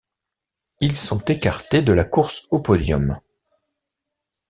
Ils sont écartés de la course au podium.